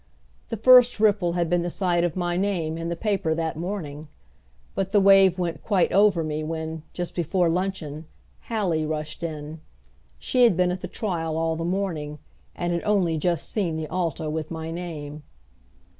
The first ripple had been the sight of my name in the paper that morning; but the wave went quite over me when, just before luncheon, Hallie rushed in. She had been at the trial all the morning, and had only just seen the Alta with my name.